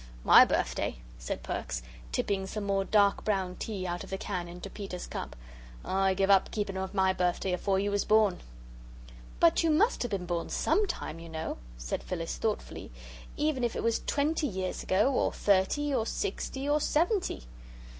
"My birthday?" said Perks, tipping some more dark brown tea out of the can into Peter's cup. "I give up keeping of my birthday afore you was born." "But you must have been born SOMETIME, you know," said Phyllis, thoughtfully, "even if it was twenty years ago or thirty or sixty or seventy."